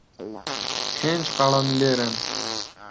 پێنج قەڵەم لێرەن.